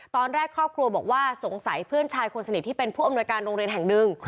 ตอนแรกครอบครัวบอกว่าสงสัยเพื่อนชายคนสนิทที่เป็นผู้อำนวยการโรงเรียนแห่งหนึ่ง